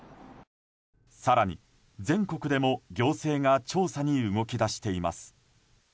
更に、全国でも行政が調査に動き出しています。